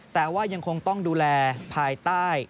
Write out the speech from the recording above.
แต่ว่ายังคงต้องดูแลภายใต้